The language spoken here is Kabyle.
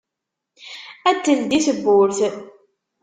Ad d-teldi tewwurt.